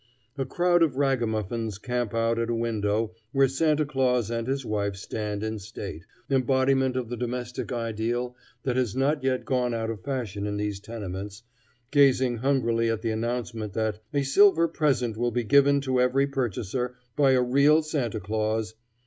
A crowd of ragamuffins camp out at a window where Santa Claus and his wife stand in state, embodiment of the domestic ideal that has not yet gone out of fashion in these tenements, gazing hungrily at the announcement that "A silver present will be given to every purchaser by a real Santa Claus.